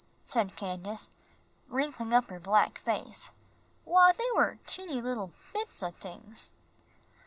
said Candace, wrinkling up her black face. "Why, they were teeny little bits o' tings."